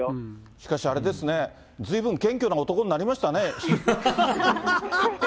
しかしあれですね、ずいぶん謙虚な男になりましたね。